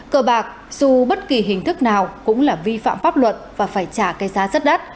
cờ bạc dù bất kỳ hình thức nào cũng là vi phạm pháp luật và phải trả cây giá rất đắt